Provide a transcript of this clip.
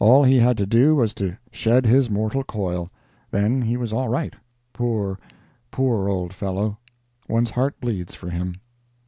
All he had to do was to shed his mortal coil. Then he was all right. Poor, poor old fellow. One's heart bleeds for him.